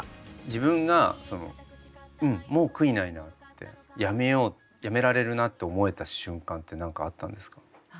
自分がそのうんもう悔いないなってやめようやめられるなって思えた瞬間って何かあったんですか？